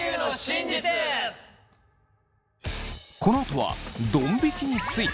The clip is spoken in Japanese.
このあとはどん引きについて。